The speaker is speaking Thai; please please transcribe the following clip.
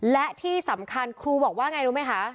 และที่สำคัญครูบอกว่าไงรู้ไหมคะ